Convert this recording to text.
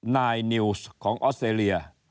นายนิวส์ของออสเตรเลีย